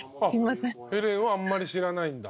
ヘレンはあんまり知らないんだ。